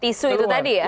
tisu itu tadi ya